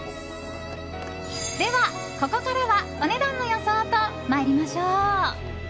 では、ここからはお値段の予想と参りましょう。